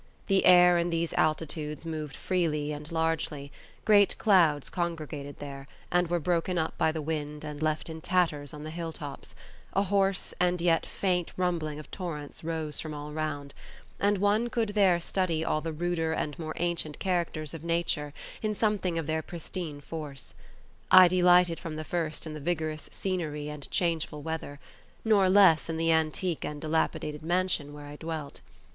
The air in these altitudes moved freely and largely; great clouds congregated there, and were broken up by the wind and left in tatters on the hilltops; a hoarse, and yet faint rumbling of torrents rose from all round; and one could there study all the ruder and more ancient characters of nature in something of their pristine force. I delighted from the first in the vigorous scenery and changeful weather; nor less in the antique and dilapidated mansion where I dwelt.